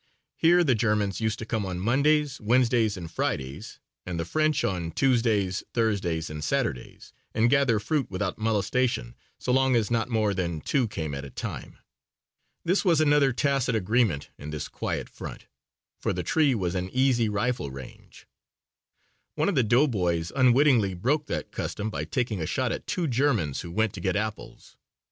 Here the Germans used to come on Mondays, Wednesdays and Fridays and the French on Tuesdays, Thursdays and Saturdays, and gather fruit without molestation so long as not more than two came at a time. This was another tacit agreement in this quiet front, for the tree was in easy rifle range. One of the doughboys unwittingly broke that custom by taking a shot at two Germans who went to get apples.